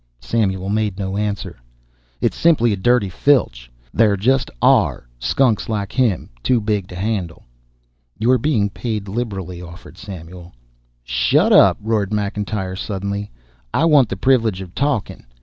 Samuel made no answer. "It's simply a dirty filch. There just ARE skunks like him too big to handle." "You're being paid liberally," offered Samuel. "Shut up!" roared McIntyre suddenly. "I want the privilege of talking."